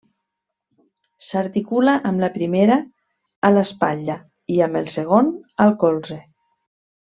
S'articula amb la primera a l'espatlla, i amb el segon al colze.